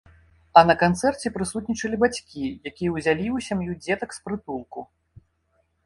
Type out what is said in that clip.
А на канцэрце прысутнічалі бацькі, якія ўзялі ў сям'ю дзетак з прытулку.